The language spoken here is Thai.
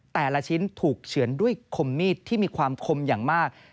แต่ละชิ้นถูกเฉือนด้วยคมมีดที่มีความคมอย่างมาก